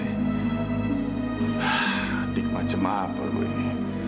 adik macam apa gue ini